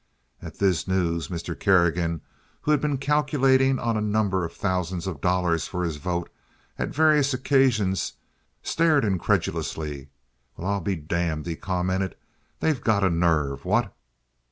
At this news Mr. Kerrigan, who had been calculating on a number of thousands of dollars for his vote on various occasions, stared incredulously. "Well, I'll be damned!" he commented. "They've got a nerve! What?"